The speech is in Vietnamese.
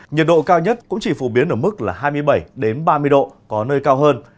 nhiệt độ cao nhất cũng chỉ phổ biến ở mức là hai mươi bảy ba mươi độ có nơi cao hơn